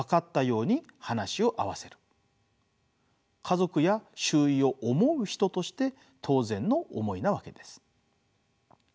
家族や周囲を思う人として当然の思いなわけです。